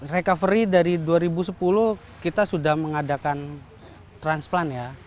recovery dari dua ribu sepuluh kita sudah mengadakan transplant ya